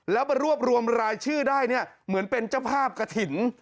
แล้วมารวบรวมรายชื่อได้เนี่ยเหมือนเป็นเจ้าภาพกระถิ่น